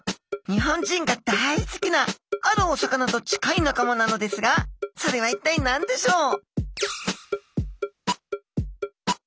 日本人が大好きなあるお魚と近い仲間なのですがそれは一体何でしょう？